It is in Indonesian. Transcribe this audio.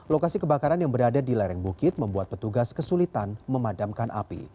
lokasi kebakaran yang berada di lereng bukit membuat petugas kesulitan memadamkan api